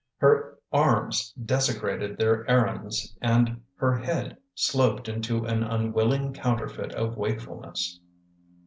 Her arms desecrated their errands and her head sloped into an unwilling counterfeit of wakefulness.